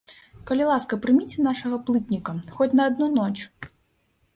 Калі ласка, прыміце нашага плытніка, хоць на адну ноч!